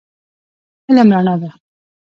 علم رڼا ده.